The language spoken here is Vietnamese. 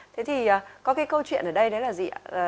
thế thì có cái câu chuyện ở đây đấy là gì ạ